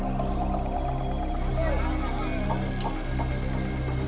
saat beberapa masalah terjadi membuat kami level deroll